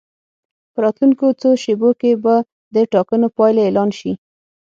په راتلونکو څو شېبو کې به د ټاکنو پایلې اعلان شي.